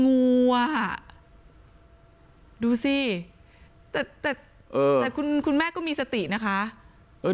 งว่ะดูสิแต่แต่เออแต่คุณคุณแม่ก็มีสตินะคะเออ